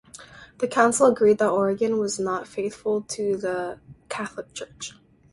The council agreed that Origen was not faithful to the Catholic Church.